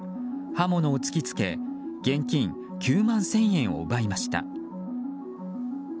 刃物を突き付け現金９万１０００円を奪いました。